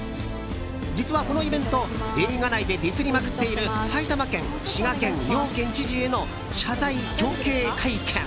実はこのイベント映画内でディスりまくっている埼玉県、滋賀県両知事への謝罪表敬会見。